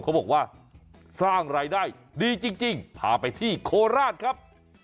เขาบอกว่าสร้างรายได้ดีจริงพาไปที่โคราชครับ